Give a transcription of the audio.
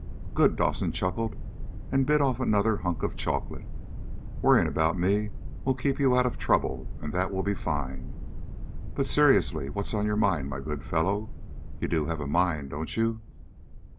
"Good!" Dawson chuckled, and bit off another hunk of chocolate. "Worrying about me will keep you out of trouble, and that will be fine. But, seriously, what's on your mind, my good fellow? You do have a mind, don't you?"